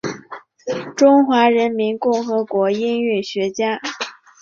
中华人民共和国音韵学家。